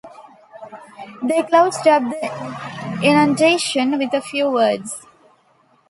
They closed up the inundation with a few words.